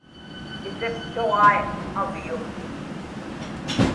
isiqtuġai avyum